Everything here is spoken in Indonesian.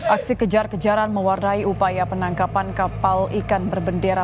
aksi kejar kejaran mewarnai upaya penangkapan kapal ikan berbendera